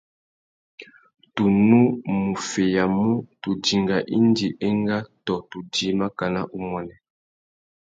Tu nù mú feyamú tu dinga indi enga tô tu djï makana umuênê.